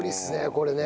これね。